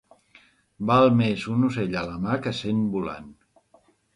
Val més un ocell a la mà que cent volant.